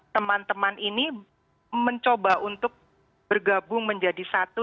teman teman ini mencoba untuk bergabung menjadi satu